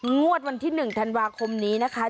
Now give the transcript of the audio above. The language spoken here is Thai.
งวดวันที่๑ธันวาคมนี้นะคะ